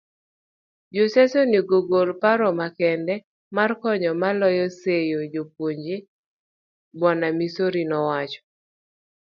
Jo siasa onego ogol paro makende mar konyo moloyo seyo jopuonje, Bw. Misori nowacho.